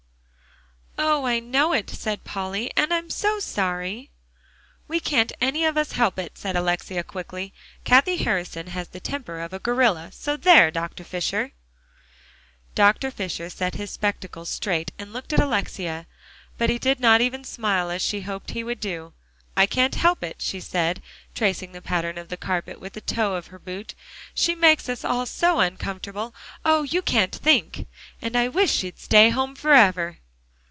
"Oh! I know it," said Polly, "and I'm so sorry." "We can't any of us help it," said Alexia quickly. "Cathie Harrison has the temper of a gorilla so there, Dr. Fisher." Dr. Fisher set his spectacles straight, and looked at Alexia, but he did not even smile, as she hoped he would do. "I can't help it," she said, tracing the pattern of the carpet with the toe of her boot, "she makes us all so uncomfortable, oh! you can't think. And I wish she'd stay home forever."